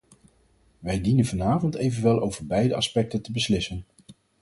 Wij dienen vanavond evenwel over beide aspecten te beslissen.